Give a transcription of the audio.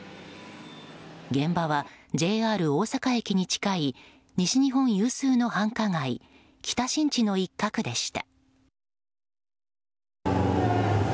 現場はＪＲ大阪駅に近い西日本有数の繁華街北新地の一角でした。